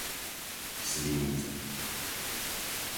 Svinice